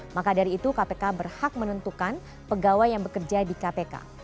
maka dari itu kpk berhak menentukan pegawai yang bekerja di kpk